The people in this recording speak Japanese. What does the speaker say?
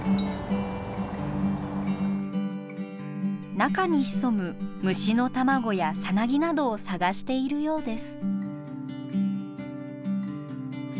中に潜む虫の卵やさなぎなどを探しているようです。